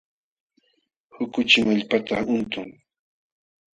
Huk kuchim allpata untun.